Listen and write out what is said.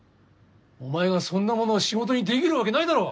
お前がそんなものを仕事にできるわけないだろ！